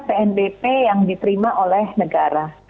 pnbp yang diterima oleh negara